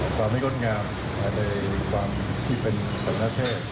ความไม่งดงามในความที่เป็นสรรณเทพ